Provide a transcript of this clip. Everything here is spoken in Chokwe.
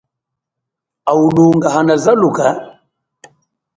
Awu lunga hana zaluka.